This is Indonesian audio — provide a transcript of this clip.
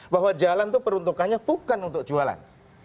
bahwa jalan itu peruntukannya bukan untuk jualan